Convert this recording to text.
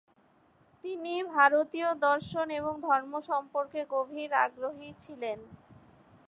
তিনি ভারতীয় দর্শন এবং ধর্ম সম্পর্কে গভীর আগ্রহী ছিলেন।